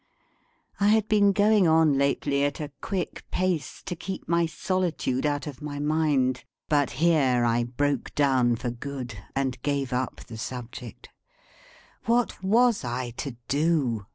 I had been going on lately at a quick pace to keep my solitude out of my mind; but here I broke down for good, and gave up the subject. What was I to do?